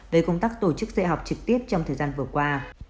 về công tác tổ chức dạy học trực tiếp trong thời gian vừa qua